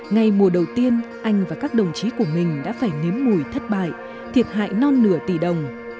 ngay mùa đầu tiên anh và các đồng chí của mình đã phải nếm mùi thất bại thiệt hại non nửa tỷ đồng